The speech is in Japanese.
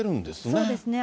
そうですね。